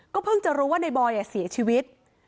เพิ่งจะรู้ว่าในบอยเสียชีวิต